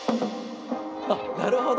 あっなるほど！